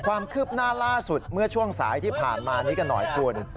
ความคืบหน้าล่าสุดเมื่อช่วงสายที่ผ่านมานี้กันหน่อยคุณ